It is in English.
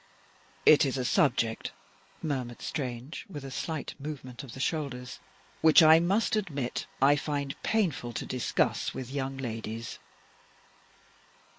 "It is a subject," murmured Strange, with a slight movement of the shoulders, " which I must admit I find painful to discuss with ladies."